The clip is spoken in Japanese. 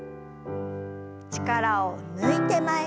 力を抜いて前に。